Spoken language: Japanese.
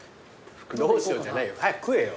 どうしようじゃないよ早く食えよ。